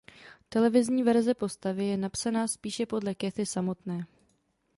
Televizní verze postavy je napsaná spíše podle Kathy samotné.